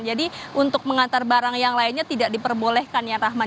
jadi untuk mengantar barang yang lainnya tidak diperbolehkan ya rahman